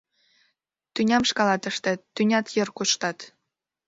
Тӱням шкалат ыштет, тӱнят йыр коштат!